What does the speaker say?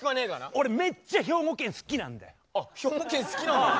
俺めっちゃ兵庫県好きなんだよ。